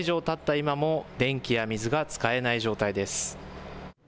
今も電気や水が使えない状態です。